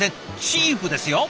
チーフですよ。